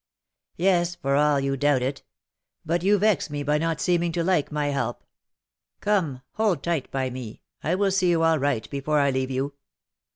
"Yes, for all you doubt it; but you vex me by not seeming to like my help. Come, hold tight by me; I will see you all right before I leave you."